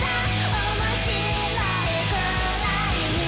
「おもしろいくらいに」